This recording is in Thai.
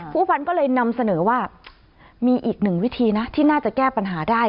ผู้พันธ์ก็เลยนำเสนอว่ามีอีกหนึ่งวิธีนะที่น่าจะแก้ปัญหาได้